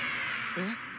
えっ？